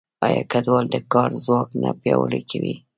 آیا کډوال د کار ځواک نه پیاوړی کوي؟